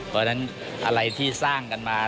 เพราะฉะนั้นอะไรที่สร้างกันมา